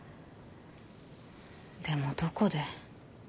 でもどこで。